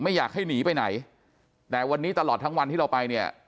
ไม่อยากให้หนีไปไหนแต่วันนี้ตลอดทั้งวันที่เราไปเนี่ย